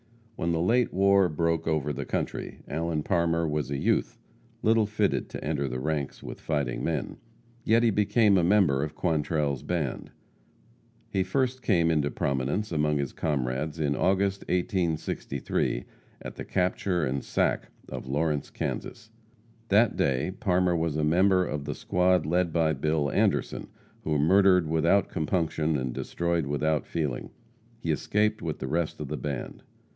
When the late war broke over the country, Allen Parmer was a youth, little fitted to enter the ranks with fighting men. Yet he became a member of Quantrell's band. He first came into prominence among his comrades in August, 1863, at the capture and sack of Lawrence, Kansas. That day Parmer was a member of the squad led by Bill Anderson, who murdered without compunction and destroyed without feeling. He escaped with the rest of the band.